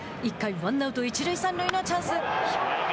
１回、ワンアウト一塁三塁のチャンス。